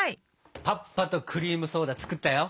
パッパとクリームソーダ作ったよ！